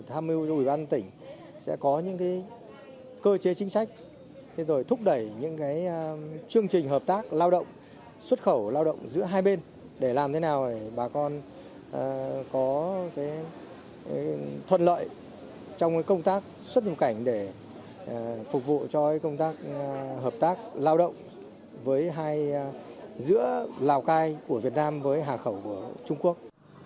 tham mưu cho ủy ban tỉnh sẽ có những cơ chế chính sách thúc đẩy những chương trình hợp tác lao động xuất khẩu lao động giữa hai bên để làm thế nào để bà con có thuận lợi trong công tác xuất nhập cảnh để phục vụ cho công tác hợp tác lao động giữa lào cai của việt nam với hạ khẩu của trung quốc